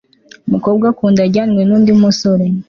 umukobwa akunda ajyanwe nundi musore